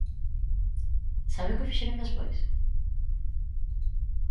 ¿Sabe o que fixeron despois?